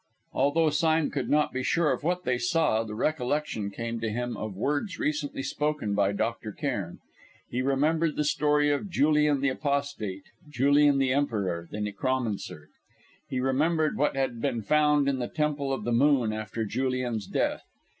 Although Sime could not be sure of what he saw, the recollection came to him of words recently spoken by Dr. Cairn. He remembered the story of Julian the Apostate, Julian the Emperor the Necromancer. He remembered what had been found in the Temple of the Moon after Julian's death.